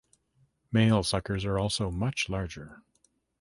Males suckers are also much larger.